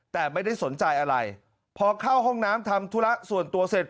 แต่ไม่ได้สนใจอะไรพอเข้าห้องน้ำทำธุระส่วนตัวเสร็จ